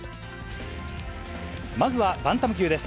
まずはバンタム級です。